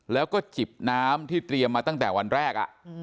แล้วก็จิบน้ำที่เตรียมมาตั้งแต่วันแรก